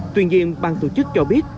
tuy nhiên bang tổ chức cho biết